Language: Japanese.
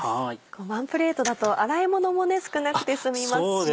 ワンプレートだと洗いものも少なくて済みますし。